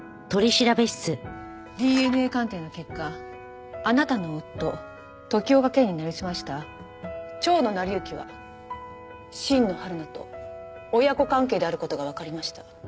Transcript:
ＤＮＡ鑑定の結果あなたの夫時岡賢に成り済ました蝶野成行は新野はるなと親子関係である事がわかりました。